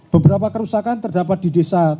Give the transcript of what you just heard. beberapa kerusakan terdapat di desa